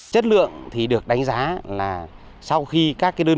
chất lượng thì được đánh giá là sau khi các đơn vị có cái sản phẩm